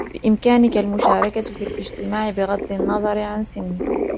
بإمكانك المشاركة في الاجتماع بغض النظر عن سنك.